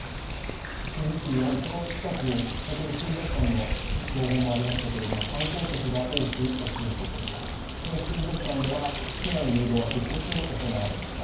珠洲市、この近く水族館の情報もありましたけど観光客が多く押し寄せている、その水族館では避難誘導が適切に行われました。